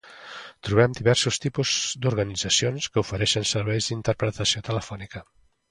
Trobem diversos tipus d'organitzacions que ofereixen serveis d'interpretació telefònica.